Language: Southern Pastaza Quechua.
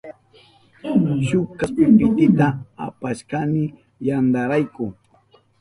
Shuk kaspi pitita apashkani yantaynirayku.